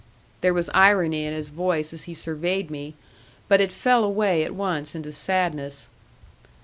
There was irony in his voice as he surveyed me, but it fell away at once into sadness.